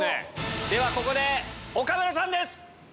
ではここで岡村さんです！